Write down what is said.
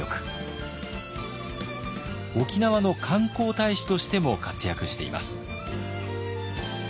沖縄の観光大使としても活躍しています。